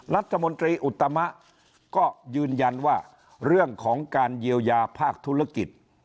รัฐมนตรีอุตมะก็ยืนยันว่าเรื่องของการเยียวยาภาคธุรกิจ